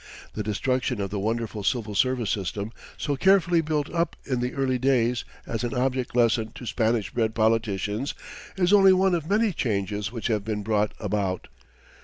The destruction of the wonderful civil service system so carefully built up in the early days as an object lesson to Spanish bred politicians, is only one of many changes which have been brought about.